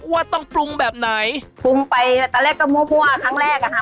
ว่าต้องปรุงแบบไหนปรุงไปตอนแรกก็มั่วครั้งแรกอ่ะค่ะ